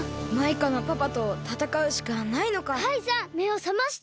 カイさんめをさまして！